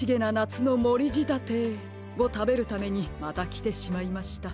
つのもりじたてをたべるためにまたきてしまいました。